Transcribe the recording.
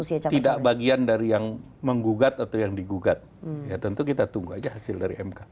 kalau tidak bagian dari yang menggugat atau yang digugat ya tentu kita tunggu aja hasil dari mk